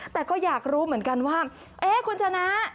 แต่ก็อยากรู้เหมือนกันว่าเอ๊ะคุณชนะ